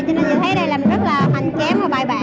cho nên chị thấy đây làm rất là hành kém và bại bản